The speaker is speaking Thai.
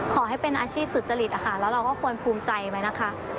ขอให้เป็นอาชีพสุจริตนะคะแล้วเราก็ควรภูมิใจไว้นะคะ